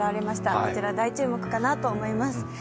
こちら大注目かなと思います。